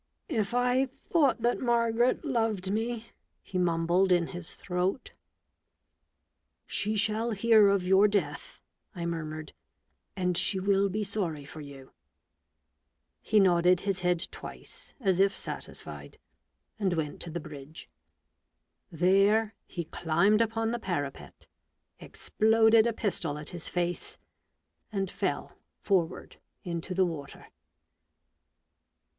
" If I thought that Margaret loved me " he mumbled in his throat. " She shall hear of your death," I murmured, " and she will be sorry for you !" He nodded his head twice, as if satisfied, and went to the bridge. There he climbed upon the parapet, exploded a pistol at his face, and fell forward into the water.